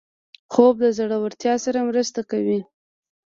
خوب د زړورتیا سره مرسته کوي